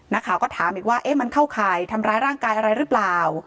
นักข่าวก็ถามอีกว่ามันเข้าข่ายทำร้ายร่างกายอะไรหรือเปล่า